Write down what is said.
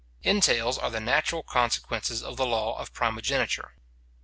Entails are the natural consequences of the law of primogeniture.